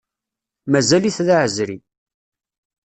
Mazal-it d aɛezri.